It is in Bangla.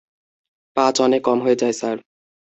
পাঁচ অনেক কম হয়ে যায়, স্যার।